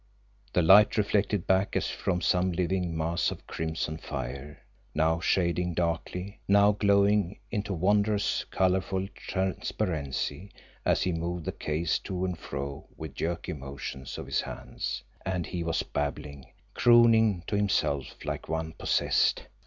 The light reflected back as from some living mass of crimson fire, now shading darkly, now glowing into wondrous, colourful transparency as he moved the case to and fro with jerky motions of his hands and he was babbling, crooning to himself like one possessed.